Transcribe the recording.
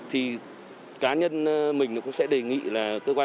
thì cá nhân mình cũng sẽ đề nghị là cơ quan chế tài